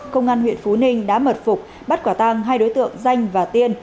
công an huyện phú ninh đã mật phục bắt quả tang hai đối tượng danh và tiên